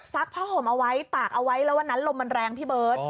ผ้าห่มเอาไว้ตากเอาไว้แล้ววันนั้นลมมันแรงพี่เบิร์ต